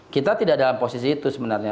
kita tidak dalam posisi itu sebenarnya